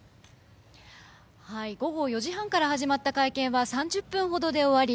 午後４時半から始まった会見は３０分ほどで終わり